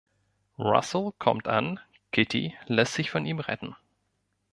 Russell kommt an, Kitty lässt sich von ihm retten.